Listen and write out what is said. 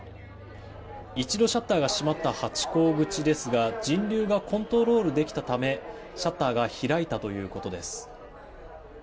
一度シャッターが閉まったハチ公口ですが人流がコントロールできたためシャッターが開いたということです。